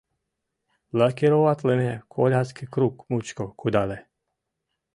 Лакироватлыме коляске круг мучко кудале.